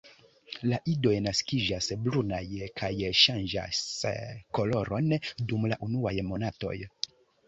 La idoj naskiĝas brunaj kaj ŝanĝas koloron dum la unuaj monatoj.